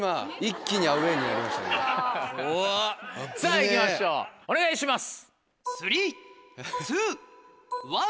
さぁいきましょうお願いします。